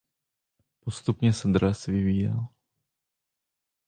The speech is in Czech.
Postupně se dres vyvíjel.